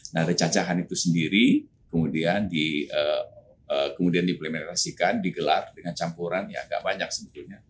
nah dari cacahan itu sendiri kemudian di implementasikan digelar dengan campuran ya agak banyak sebetulnya